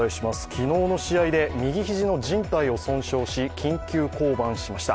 昨日の試合で右肘のじん帯を損傷し、緊急降板しました。